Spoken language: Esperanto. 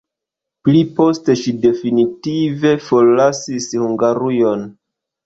Pli poste ŝi definitive forlasis Hungarujon.